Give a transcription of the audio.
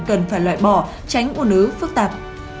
cần phải loại bỏ tránh u nứ phức tạp